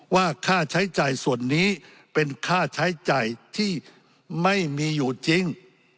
ว่าค่าใช้จ่ายส่วนนี้เป็นค่าใช้จ่ายที่ไม่มีอยู่จริง